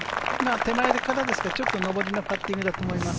手前からですから、ちょっと上りのパッティングだと思います。